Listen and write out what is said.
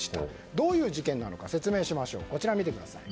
どういう事件か説明しましょう。